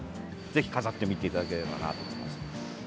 ぜひ飾ってみていただければなと思います。